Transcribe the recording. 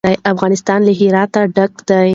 افغانستان له هرات ډک دی.